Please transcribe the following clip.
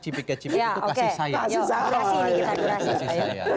cipika cipiki itu kasih sayang